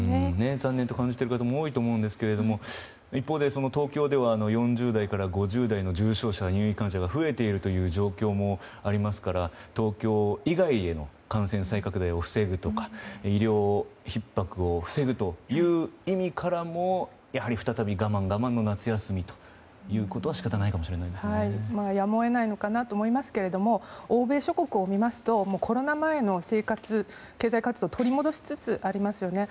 残念と感じている方も多いと思うんですが一方で東京では４０代から５０代の重症者、入院患者が増えているという状況もありますから東京以外への感染再拡大を防ぐとか医療ひっ迫を防ぐといった意味からもやはり、再び我慢、我慢の夏休みとなるのはやむを得ないと思いますが欧米諸国を見ますとコロナ前の生活、経済活動を取り戻しつつありますよね。